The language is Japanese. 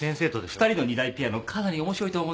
二人の２台ピアノかなり面白いと思うんだよ。